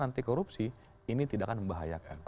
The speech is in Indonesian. anti korupsi ini tidak akan membahayakan